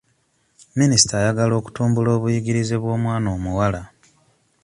Minisita ayagala okutumbula obuyigirize bw'omwana omuwala.